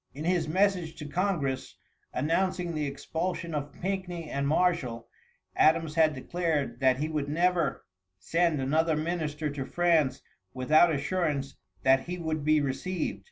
In his message to congress, announcing the expulsion of Pickney and Marshall, Adams had declared that he would never send another minister to France without assurance that he would be received.